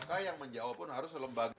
maka yang menjawab pun harus lembaga